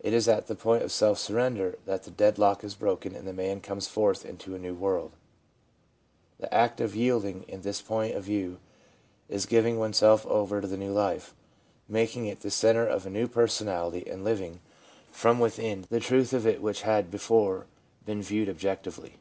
It is at the point of self surrender that the deadlock is broken, and the man comes forth into a new world. The act of yielding, in this point of view, is giving oneself over to the new life, making it the CONSCIOUS AND SUB CONSCIOUS ELEMENTS 117 centre of a nezv personality, and living, from within, the truth of it zvhich had before been viezved objectively.